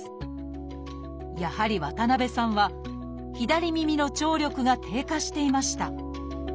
やはり渡辺さんは左耳の聴力が低下していました。